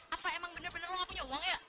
apa emang bener bener lo gak punya uang ya